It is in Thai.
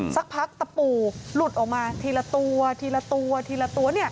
สักพักตะปูหลุดออกมาทีละตัวทีละตัวทีละตัว